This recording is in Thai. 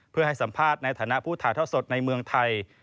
เพื่อให้สัมภาษณ์ในฐานะผู้ถ่ายเท่าสดในเมืองไทย